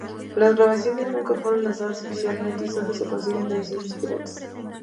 Las grabaciones nunca fueron lanzadas oficialmente y sólo se consiguen ediciones piratas.